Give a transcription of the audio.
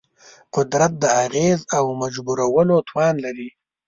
قدرت د اغېز او مجبورولو توان دی.